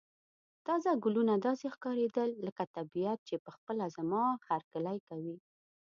تازه ګلونه داسې ښکاریدل لکه طبیعت چې په خپله زما هرکلی کوي.